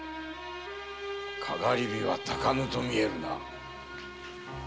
かがり火はたかぬと見えるな。